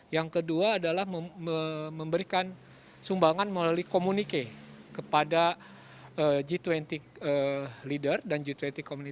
yang kedua adalah memberikan sumbangan melalui komunike kepada citwini